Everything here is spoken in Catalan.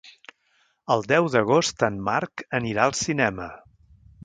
El deu d'agost en Marc anirà al cinema.